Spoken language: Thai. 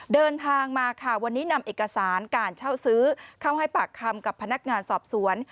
เดินทางมาค่ะวันนี้นำเอกสารการเช่าซื้อเข้าให้ปากคำกับพนักงานสอบสวน